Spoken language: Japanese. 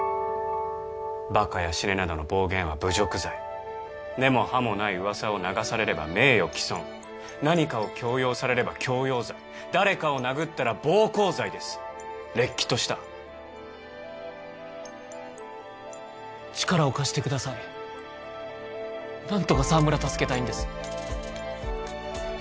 バカや死ねなどの暴言は侮辱罪根も葉もない噂を流されれば名誉毀損何かを強要されれば強要罪誰かを殴ったら暴行罪ですれっきとした力を貸してください何とか沢村助けたいんです